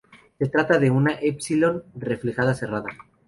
Se trata de una epsilon reflejada cerrada.